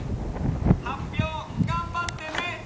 はっぴょうがんばってね！